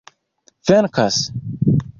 venkas